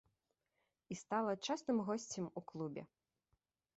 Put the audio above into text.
І стала частым госцем у клубе.